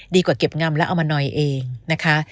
ดีกว่าเก็บงำและเอามานอยเองนะคะ